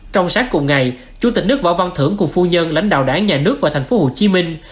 trong sáng cùng ngày chủ tịch nước võ văn thưởng cùng phu nhân lãnh đạo đảng nhà nước và thành phố hồ chí minh